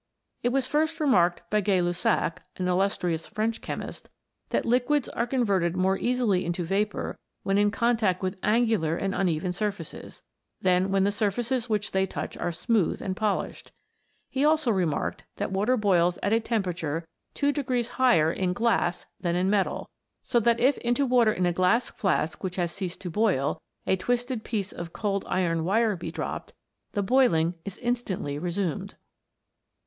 It was first remarked by Gay Lussac, an illus trious French chemist, that liquids are converted more easily into vapour when in contact with angular and uneven surfaces, than when the sur faces which they touch are smooth and polished. He also remarked that water boils at a temperature M 162 WATER BEWITCHED. two degrees higher in glass than in metal ; so that if into water in a glass flask which has ceased to boil, a twisted piece of cold iron wire be dropped, the boiling is instantly resumed.